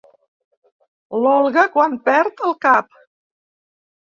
L'Olga quan perd el cap.